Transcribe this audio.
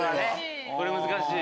これ難しい。